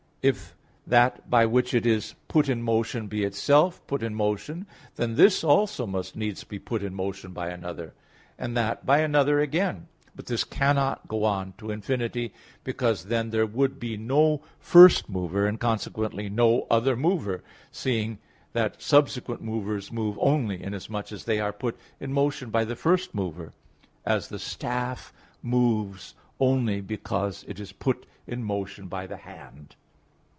If that by which it is put in motion be itself put in motion, then this also must needs be put in motion by another, and that by another again. But this cannot go on to infinity, because then there would be no first mover, and, consequently, no other mover; seeing that subsequent movers move only inasmuch as they are put in motion by the first mover; as the staff moves only because it is put in motion by the hand.